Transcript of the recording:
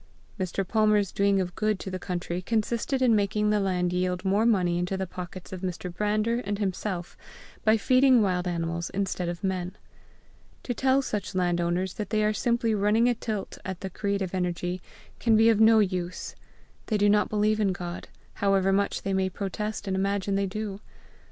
Mr. Palmer's doing of good to the country consisted in making the land yield more money into the pockets of Mr. Brander and himself by feeding wild animals instead of men. To tell such land owners that they are simply running a tilt at the creative energy, can be of no use: they do not believe in God, however much they may protest and imagine they do.